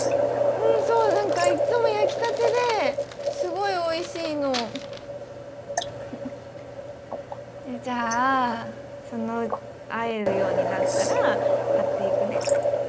うんそう何かいつも焼きたてですごいおいしいの。じゃあ会えるようになったら買っていくね。